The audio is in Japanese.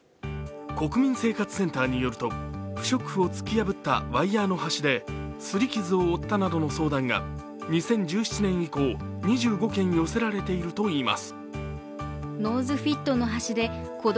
国民生活センターによると不織布を突き破ったワイヤ−の端ですり傷を負ったなどの相談が２０１７年以降、２５件寄せられているといいます。